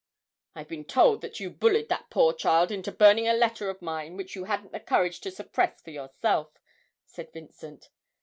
'I've been told that you bullied that poor child into burning a letter of mine which you hadn't the courage to suppress for yourself,' said Vincent.